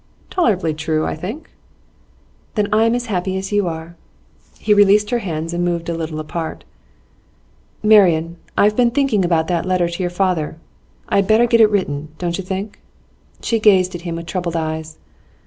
'Tolerably true, I think.' 'Then I am as happy as you are.' He released her hands, and moved a little apart. 'Marian, I have been thinking about that letter to your father. I had better get it written, don't you think?' She gazed at him with troubled eyes.